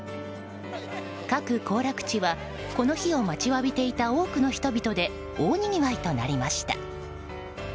各行楽地は、この日を待ちわびていた多くの人で大にぎわいとなりました。